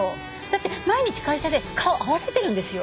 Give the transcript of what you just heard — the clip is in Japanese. だって毎日会社で顔合わせてるんですよ。